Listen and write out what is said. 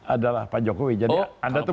adalah pak jokowi jadi anda tuh